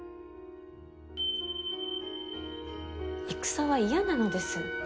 戦は嫌なのです。